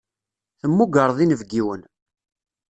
Temmugreḍ inebgiwen.